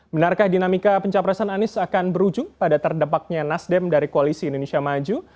benarkah dinamika pencapresan anies akan berujung pada terdepaknya nasdem dari koalisi indonesia maju